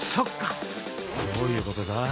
どういうことだ？